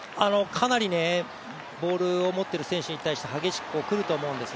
かなりボールを持っている選手に対して激しく来ると思うんです。